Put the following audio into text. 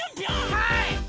はい！